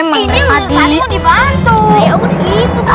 emang tadi mau dibantu